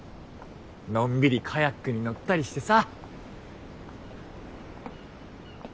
のんびりカヤックに乗ったりしてさ。